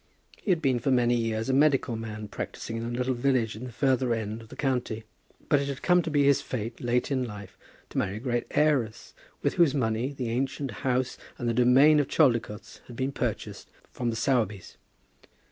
He had been for many years a medical man practising in a little village in the further end of the county; but it had come to be his fate, late in life, to marry a great heiress, with whose money the ancient house and domain of Chaldicotes had been purchased from the Sowerbys.